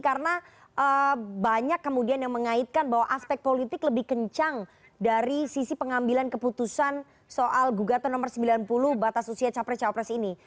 karena banyak kemudian yang mengaitkan bahwa aspek politik lebih kencang dari sisi pengambilan keputusan soal gugatan nomor sembilan puluh batas usia capres capres ini